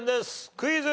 クイズ。